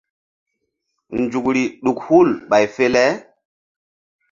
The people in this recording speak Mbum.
Nzukri ɗuk hul ɓay fe le.